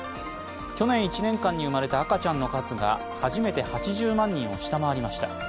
去年１年間に生まれた赤ちゃんの数が初めて８０万人を下回りました。